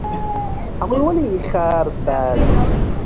هغوی ولې ښار ته ځي؟